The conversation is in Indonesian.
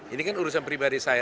ini kan urusan pribadi saya